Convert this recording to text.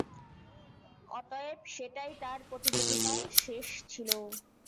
অতএব, সেটাই তার প্রতিযোগিতার শেষ ছিল।